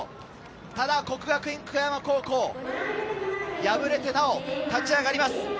ただ國學院久我山高校、敗れてなお立ち上がります。